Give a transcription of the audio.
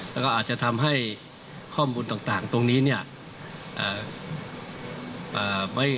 แล้วก็อาจจะทำให้ข้อมูลต่างตรงนี้เนี่ย